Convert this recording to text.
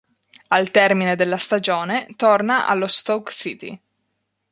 Al termine della stagione torna allo Stoke City.